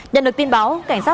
nhận được tin báo